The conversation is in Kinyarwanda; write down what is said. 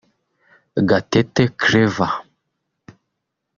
Gatete Claver